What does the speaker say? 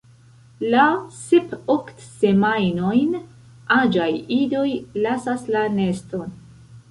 La sep–ok semajnojn aĝaj idoj lasas la neston.